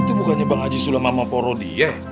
itu bukannya bang haji sula mamah poro dia